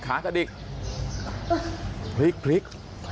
พลิกพลิก